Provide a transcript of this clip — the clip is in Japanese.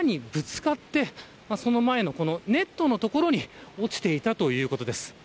あの小屋にぶつかってその前のネットの所に落ちていたということです。